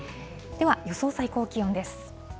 では、予想最高気温です。